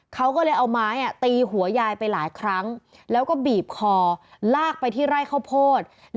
เขาก็เลยเอาไม้ตีหัวยายไปหลายครั้งแล้วก็บีบคอลากไปที่ไร่ข้าวโพด